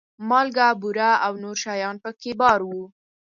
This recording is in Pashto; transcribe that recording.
مالګه، بوره او نور شیان په کې بار وو.